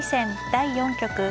第４局。